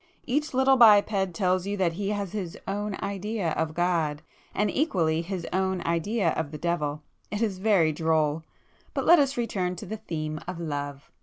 Each little biped tells you that he has his 'own idea' of God, and equally 'his own' idea of the Devil. It is very droll! But let us return to the theme of love.